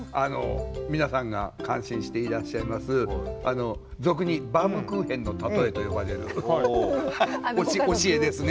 皆さんが感心していらっしゃいます俗にバウムクーヘンの例えと呼ばれる教えですね